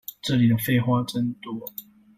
這裡的廢話真多